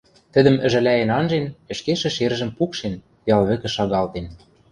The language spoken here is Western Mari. тӹдӹм ӹжӓлӓен анжен, ӹшке шӹшержӹм пукшен, ял вӹкӹ шагалтен